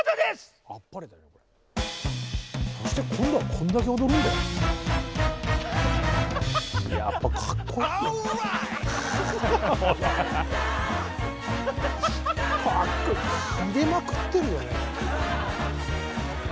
キレまくってるよね。